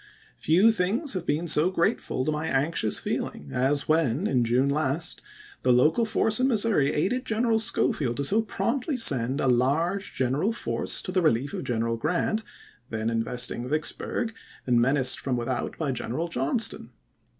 Few things have been so grate ful to my anxious feeling as when, in June last, the local force in Missouri aided General Schofield to so promptly send a large general force to the relief of General Grant, then investing Vicksburg, and menaced from without by General Johnston.